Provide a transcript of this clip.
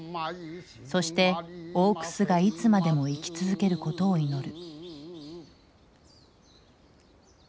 そして大楠がいつまでも生き続けることを祈る。